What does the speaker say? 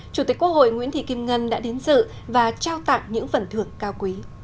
chủ tịch quốc hội nguyễn thị kim ngân đã đến dự và trao tặng những phần thưởng cao quý